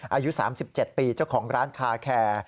อายุ๓๗ปีเจ้าของร้านคาแคร์